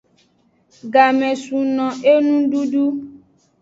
Game sun no enududu.